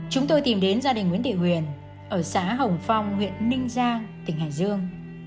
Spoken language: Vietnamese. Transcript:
chúng tôi tìm đến gia đình nguyễn tị quyền ở xã hồng phong huyện ninh giang tỉnh hải dương